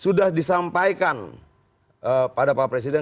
sudah disampaikan pada pak presiden